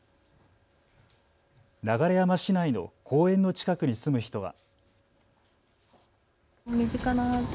流山市内の公園の近くに住む人は。